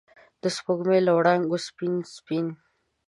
د سپوږمۍ له وړانګو سپین، سپین